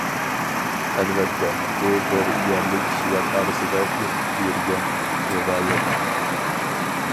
ئەلۋەتتە بۇ بىر يەرلىك كىشىلەر ئارىسىدا ئېقىپ يۈرگەن رىۋايەت.